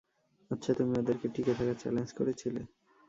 আচ্ছা, তুমি ওদেরকে টিকে থাকার চ্যালেঞ্জ করেছিলে।